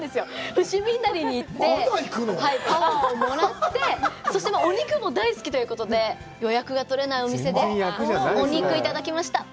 伏見稲荷に行って、パワーをもらって、そして、お肉も大好きということで、予約が取れないお店でお肉、いただきました。